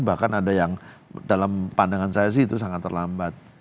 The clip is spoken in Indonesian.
bahkan ada yang dalam pandangan saya sih itu sangat terlambat